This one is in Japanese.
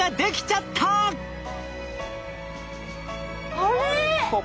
あれ？